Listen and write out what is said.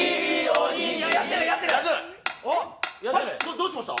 どうしました？